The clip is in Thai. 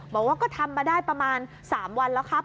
บอกว่าก็ทำมาได้ประมาณ๓วันแล้วครับ